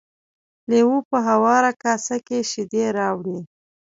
لیوه په هواره کاسه کې شیدې راوړې.